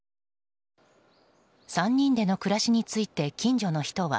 ３人での暮らしについて近所の人は